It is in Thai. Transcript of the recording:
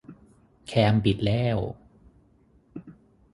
แคมบิดแล้ว